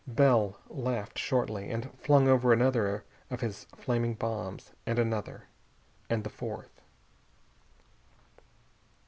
Bell laughed shortly, and flung over another of his flaming bombs, and another, and the fourth....